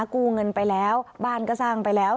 กู้เงินไปแล้วบ้านก็สร้างไปแล้ว